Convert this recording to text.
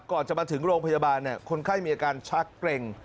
ก่อนจะมาถึงโรงพยาบาลคนไข้มีอาการชักเกร็ง